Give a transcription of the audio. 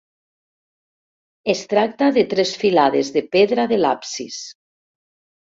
Es tracta de tres filades de pedra de l'absis.